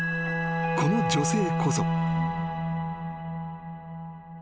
［この女性こそ］